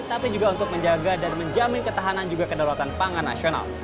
tapi juga untuk menjaga dan menjamin ketahanan juga kedaulatan pangan nasional